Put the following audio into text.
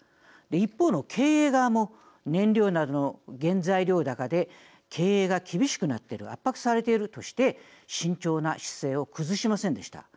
一方の経営側も燃料などの原材料高で経営が厳しくなっている圧迫されているとして慎重な姿勢を崩しませんでした。